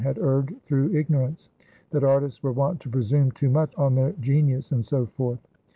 — had erred through ignorance; that artists were wont to presume too much on their genius," and so forth.